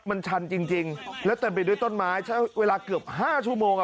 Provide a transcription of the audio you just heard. มันชันจริงแล้วจะเป็นเดี๋ยวต้นไม้เจอเวลาเกือบ๕ชั่วโมงอ่ะ